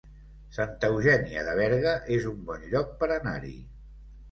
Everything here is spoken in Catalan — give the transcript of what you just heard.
Santa Eugènia de Berga es un bon lloc per anar-hi